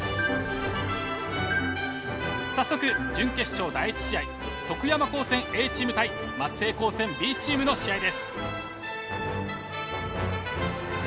早速準決勝第１試合徳山高専Ａチーム対松江高専Ｂチームの試合です。